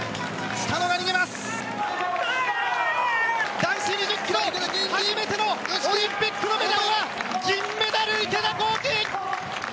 男子２０ｋｍ初めてのオリンピックのメダルは銀メダル、池田向希！